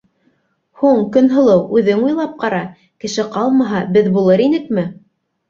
Һуң, Көнһылыу, үҙең уйлап ҡара: кеше ҡалмаһа, беҙ булыр инекме?